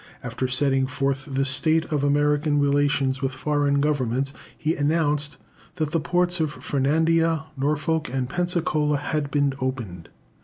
After setting forth the state of American relations with foreign Governments, he announced that the ports of Fernandina, Norfolk, and Pensacola had been opened.